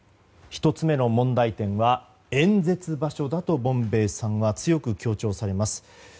１つ目の問題点は演説場所だとボムベースさんは強く強調されます。